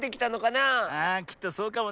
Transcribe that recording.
ああきっとそうかもな。